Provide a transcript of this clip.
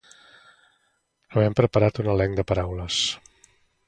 havem preparat un elenc de paraules